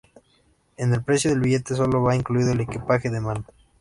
En el precio del billete sólo va incluido el equipaje de mano.